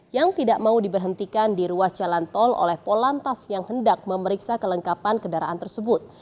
yang tidak mau diberhentikan di ruas jalan tol oleh polantas yang hendak memeriksa kelengkapan kendaraan tersebut